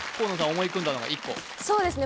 思い浮かんだのが１個そうですね